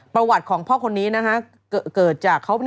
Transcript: ประวัติของพ่อคนนี้เกิดจากเขา